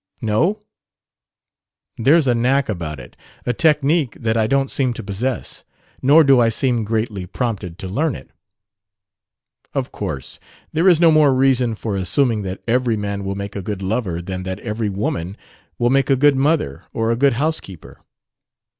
"No?" "There's a knack about it a technique that I don't seem to possess. Nor do I seem greatly prompted to learn it." "Of course, there is no more reason for assuming that every man will make a good lover than that every woman will make a good mother or a good housekeeper."